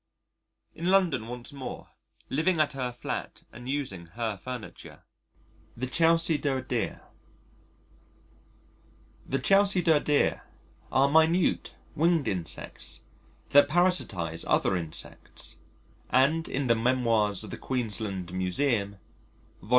In London once more, living at her flat and using her furniture. The Chalcidoidea The Chalcidoidea are minute winged insects that parasitise other insects, and in the Memoirs of the Queensland Museum (Vol.